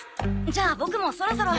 じゃあボクもそろそろ。